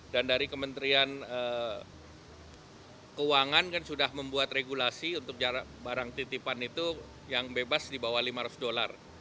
dan keuangan kan sudah membuat regulasi untuk barang titipan itu yang bebas di bawah lima ratus dolar